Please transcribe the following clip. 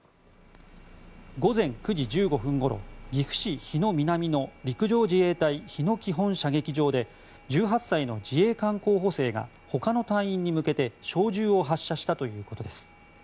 午前９時１５分ごろ岐阜市日野南の陸上自衛隊日野基本射撃場で１８歳の自衛官候補生が他の隊員に向けて小銃を発射したということです。